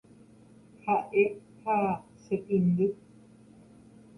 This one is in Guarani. Ha'e ha chetĩndy.